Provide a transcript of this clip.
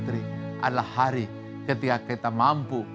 dan itu adalah hari ketika kita mampu